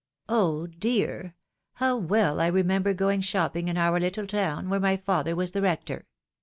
Oh ! dear !— ^how well I remember going shopping in our httle town, where my father was the rector.